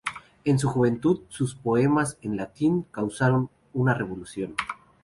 En su juventud, sus poemas en latín, causaron una revolución.